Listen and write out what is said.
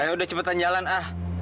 ya udah cepetan jalan ah